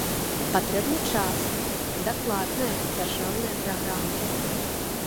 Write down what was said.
Патрэбны час, дакладная дзяржаўная праграма.